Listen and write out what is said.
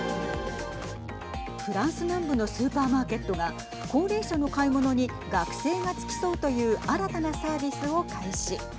フランス南部のスーパーマーケットが高齢者の買い物に学生が付き添うという新たなサービスを開始。